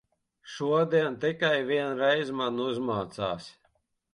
Šodien tikai vienreiz man uzmācās.